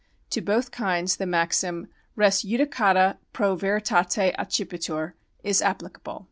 To both kinds the maxim, Res judicata pro veritate accipitur, is applicable.